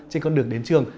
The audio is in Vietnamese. trên con đường đến trường